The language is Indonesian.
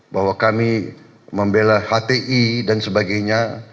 bahwa kami membela hti dan sebagainya